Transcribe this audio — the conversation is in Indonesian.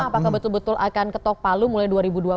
apakah betul betul akan ketok palu mulai dua ribu dua puluh empat